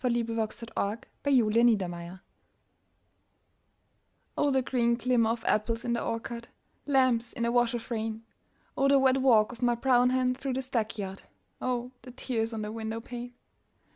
LAWRENCE BALLAD OF ANOTHER OPHELIA Oh, the green glimmer of apples in the orchard, Lamps in a wash of rain, Oh, the wet walk of my brown hen through the stackyard, Oh, tears on the window pane!